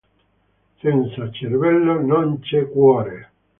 Senza cervello, non c'è cuore.